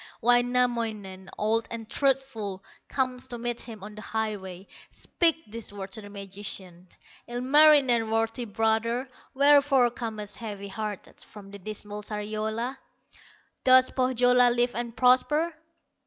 Wainamoinen, old and truthful, Comes to meet him on the highway, Speaks these words to the magician: "Ilmarinen, worthy brother, Wherefore comest heavy hearted From the dismal Sariola? Does Pohyola live and prosper?"